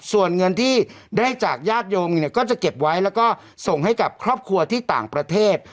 ส่วนเงินที่ได้จากญาติโยมเนี่ยก็จะเก็บไว้แล้วก็ส่งให้กับครอบครัวที่ต่างประเทศ